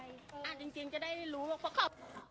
รถจอดข้างวัน